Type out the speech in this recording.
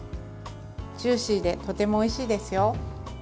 ジューシーでとてもおいしいですよ。